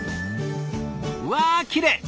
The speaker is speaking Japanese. うわきれい！